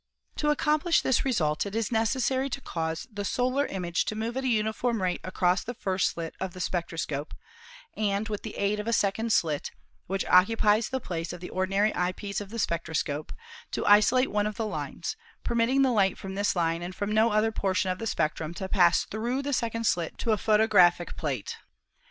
"To accomplish this result it is necessary to cause the solar image to move at a uniform rate across the first slit of the spectroscope, and, with the aid of a second slit (which occupies the place of the ordinary eye piece of the spectroscope), to isolate one of the lines, permitting the light from this line and from no other portion of the spec trum to pass through the second slit to a photographic plate.